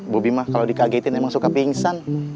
bobi mah kalau dikagetin emang suka pingsan